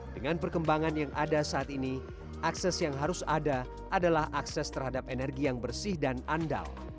dengan perkembangan yang ada saat ini akses yang harus ada adalah akses terhadap energi yang bersih dan andal